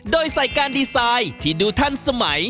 โดยใส่การดีไซน์ที่ดูทันสมัย